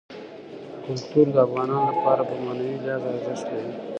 کلتور د افغانانو لپاره په معنوي لحاظ ارزښت لري.